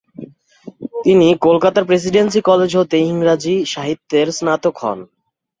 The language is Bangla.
তিনি কলকাতার প্রেসিডেন্সি কলেজ হতে ইংরাজী সাহিত্যের স্নাতক হন।